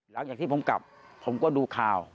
หลังจากที่ผมกลับผมก็ดูข่าว